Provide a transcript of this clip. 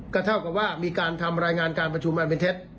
ก็เท่ากับว่ามีการทำรายงานการประชุมอันเป็นเท็จ